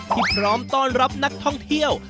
พร้อมต้อนรับนักท่องเที่ยว